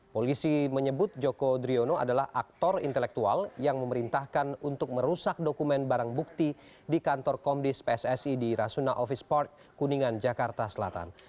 polisi menyebut joko driono adalah aktor intelektual yang memerintahkan untuk merusak dokumen barang bukti di kantor komdis pssi di rasuna office park kuningan jakarta selatan